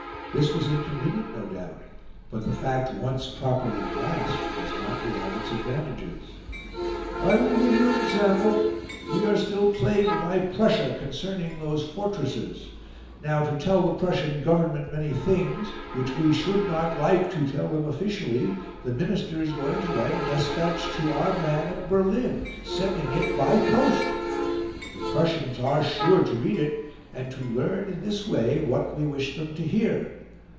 This was inconvenient, no doubt; but the fact, once properly grasped, was not without its advantages. "I will give you an example: we are still plagued by Prussia concerning those fortresses; now to tell the Prussian Government many things, which we SHOULD NOT LIKE to tell them officially, the Minister is going to write a despatch to our man at Berlin, sending it BY POST; the Prussians ARE SURE to read it, and to learn in this way what we wish them to hear.